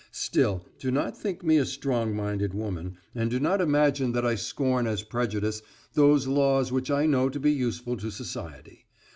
Still, do not think me a strong minded woman, and do not imagine that I scorn as prejudices those laws which I know to be useful to society.